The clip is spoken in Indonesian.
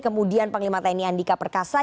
kemudian panglima tni andika perkasa